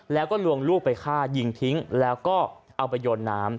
แล้วก็ลวงลูกไปฆ่ายิงทิ้งแล้วก็เอาไปโยนน้ำ